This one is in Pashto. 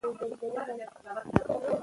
ناخوښه شیان ځینې وختونه موږ ته زیان رسوي.